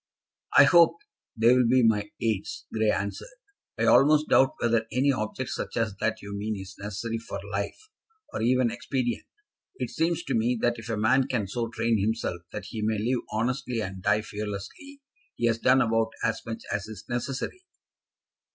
"I hope they will be my aids," Grey answered. "I almost doubt whether any object such as that you mean is necessary for life, or even expedient. It seems to me that if a man can so train himself that he may live honestly and die fearlessly, he has done about as much as is necessary."